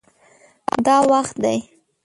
دا وخت دی